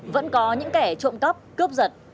vẫn có những kẻ trộm cắp cướp giật